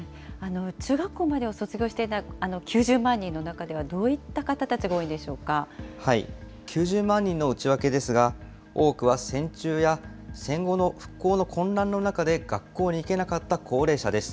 中学校までを卒業していない９０万人の中ではどういった方た９０万人の内訳ですが、多くは戦中や戦後の復興の混乱の中で、学校に行けなかった高齢者です。